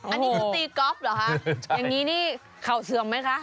อันนี้คือตีก๊อฟเหรอคะอย่างนี้นี่เข่าเสื่อมไหมคะ